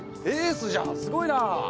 エースじゃんすごいなぁ！